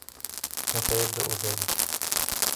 متى يبدأ ذلك؟